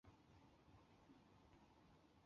明矾石属于硫酸盐矿物。